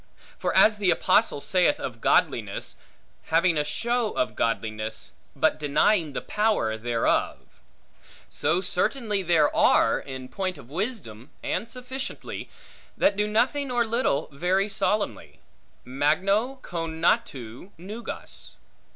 For as the Apostle saith of godliness, Having a show of godliness, but denying the power thereof; so certainly there are, in point of wisdom and sufficiency, that do nothing or little very solemnly: magno conatu nugas.